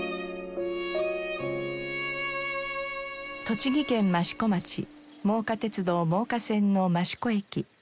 栃木県益子町真岡鐵道真岡線の益子駅。